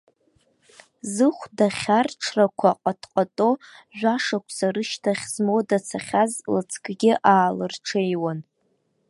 Зыхәда хьарҽрақәа ҟатҟато, жәашықәса рышьҭахь змода цахьаз лыҵкгьы аалырҽеиуан.